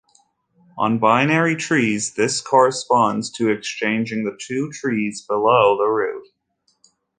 On binary trees this corresponds to exchanging the two trees below the root.